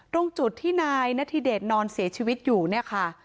ตรงจุดที่นายณฑิเดชนอนเสียชีวิตอยู่นะคะ